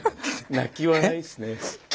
泣き笑いですね。